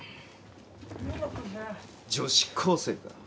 女子高生か。